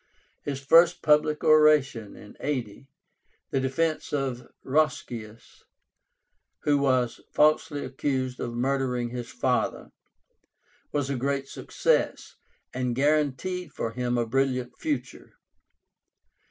His first public oration (80), the defence of Roscius, who was falsely accused of murdering his father, was a great success, and guaranteed for him a brilliant future.